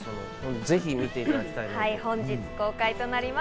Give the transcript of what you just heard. ぜひ見ていただきたいです。